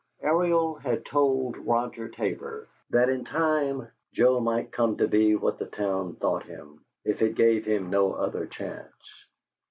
Ariel had told Roger Tabor that in time Joe might come to be what the town thought him, if it gave him no other chance.